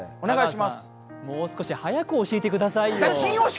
香川さん、もう少し早く教えてくださいよ。